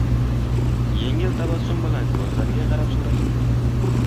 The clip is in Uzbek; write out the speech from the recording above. Yengil tabassum bilan ko‘zlariga qarab so‘rashing.